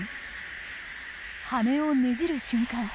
羽をねじる瞬間